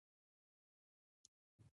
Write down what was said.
کونړ دا ظرفیت لري.